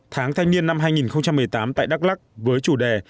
tháng thanh niên năm hai nghìn một mươi tám tại đắk lắc với chủ đề